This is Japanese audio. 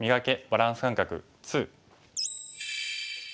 バランス感覚２」。